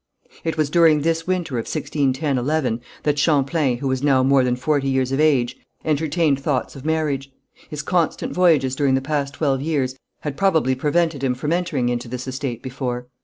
It was during this winter of 1610 11, that Champlain, who was now more than forty years of age, entertained thoughts of marriage. His constant voyages during the past twelve years had probably prevented him from entering into this estate before.